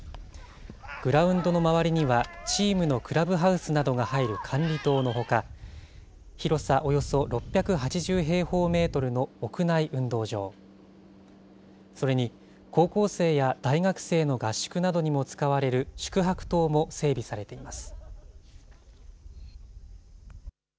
グラウンドの周りには、チームのクラブハウスなどが入る管理棟のほか、広さおよそ６８０平方メートルの屋内運動場、それに高校生や大学生の合宿などにも使われる宿泊棟も整備されています。